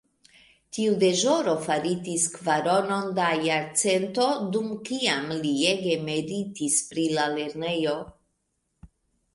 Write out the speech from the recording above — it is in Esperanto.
Tiu deĵoro faritis kvaronon da jarcento, dum kiam li ege meritis pri la lernejo.